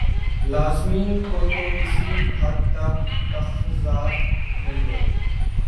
لازمین کو تو کسی حد تک تخفظات مل گئے